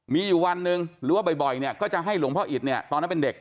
มีอยู่วันหนึ่งหรือว่าบ่อยเนี่ยก็จะให้หลวงพ่ออิตเนี่ยตอนนั้นเป็นเด็ก